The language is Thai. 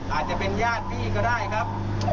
อาจจะเป็นญาติพี่ก็ได้ครับ